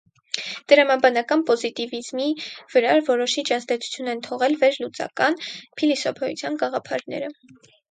Տրամաբանական պոզիտիվիզմի վրա որոշիչ ազդեցություն են թողել վերլուծական փիլիսոփայության գաղափարները։